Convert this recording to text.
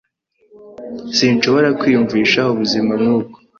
Sinshobora kwiyumvisha ubuzima nk'ubwo.